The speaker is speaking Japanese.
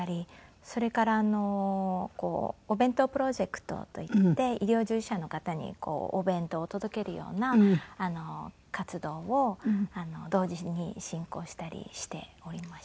それからお弁当プロジェクトといって医療従事者の方にお弁当を届けるような活動を同時に進行したりしておりました。